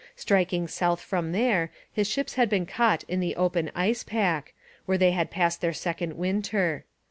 Striking south from there his ships had been caught in the open ice pack, where they had passed their second winter.